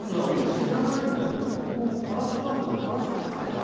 俺知らないんだけどこのカラシがあんだけどああ